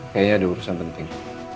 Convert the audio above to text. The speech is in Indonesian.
kayaknya ada urusan penting